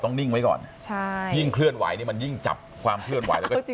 ต้องนิ่งไว้ก่อนใช่ยิ่งเขื่อนไหวมันยิ่งจับความเห็นวายก็